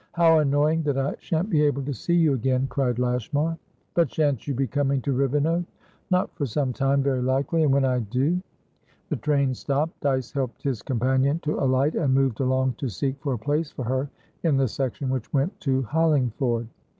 "How annoying that I shan't be able to see you again!" cried Lashmar. "But shan't you be coming to Rivenoak?" "Not for some time, very likely. And when I do" The train stopped. Dyce helped his companion to alight, and moved along to seek for a place for her in the section which went to Hollingford.